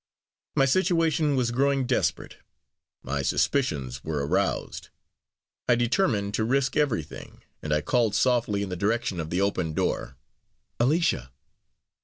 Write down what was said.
My situation was growing desperate, my suspicions were aroused I determined to risk everything and I called softly in the direction of the open door, "Alicia!"